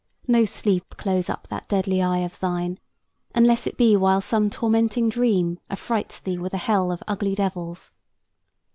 No sleep close up that deadly eye of thine, Unless it be while some tormenting dream Affrights thee with a hell of ugly devils!"